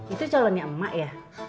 itu calonnya emak ya